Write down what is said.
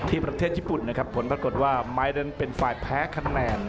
ประเทศญี่ปุ่นนะครับผลปรากฏว่าไม้นั้นเป็นฝ่ายแพ้คะแนน